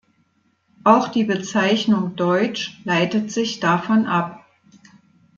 Auch die Bezeichnung „deutsch“ leitet sich davon ab.